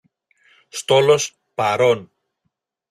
Στόλος, παρών.